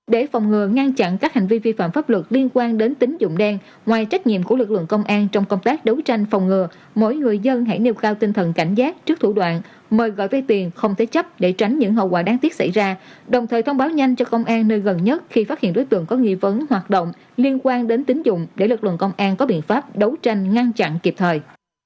để phòng ngừa ngăn chặn các hành vi vi phạm pháp luật liên quan đến tín dụng đen ngoài trách nhiệm của lực lượng công an trong công tác đấu tranh phòng ngừa mỗi người dân hãy nêu cao tinh thần cảnh giác trước thủ đoạn mời gọi về tiền không thể chấp để tránh những hậu quả đáng tiếc xảy ra đồng thời thông báo nhanh cho công an nơi gần nhất khi phát hiện đối tượng có nghi vấn hoạt động liên quan đến tín dụng để lực lượng công an có biện pháp đấu tranh ngăn chặn kịp thời